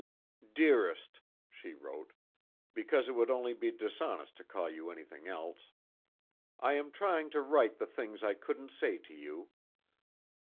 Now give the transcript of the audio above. "Dearest," she wrote, "(because it would only be dishonest to call you anything else), I am trying to write the things I couldn't say to you.